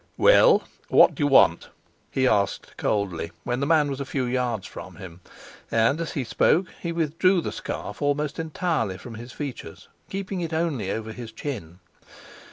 "Well, what do you want?" he asked coldly, when the man was a few yards from him; and, as he spoke, he withdrew the scarf almost entirely from his features, keeping it only over his chin.